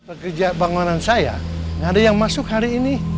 pekerja bangunan saya ada yang masuk hari ini